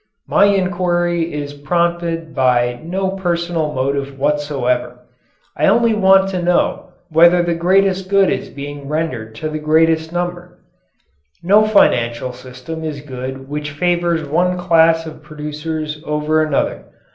My inquiry is prompted by no personal motive whatsoever. I only want to know whether the greatest good is being rendered to the greatest number. No financial system is good which favors one class of producers over another.